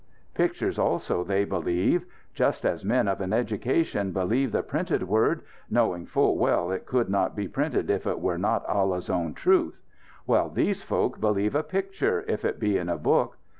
Pictures also they believe. Just as men of an education believe the printed word; knowing full well it could not be printed if it were not Allah's own truth. Well, these folk believe a picture, if it be in a book.